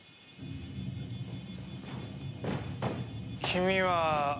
君は。